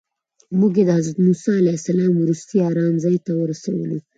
موږ یې د حضرت موسی علیه السلام وروستي ارام ځای ته ورسولو.